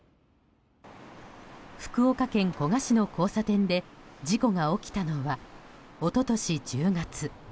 福岡県古賀市の交差点で事故が起きたのは一昨年１０月。